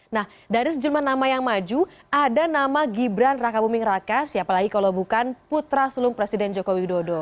nah dari sejumlah nama yang maju ada nama gibran raka buming raka siapa lagi kalau bukan putra sulung presiden joko widodo